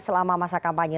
selama masa kampanye